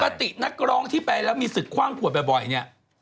นักร้องที่ไปแล้วมีศึกคว่างขวดบ่อยเนี่ย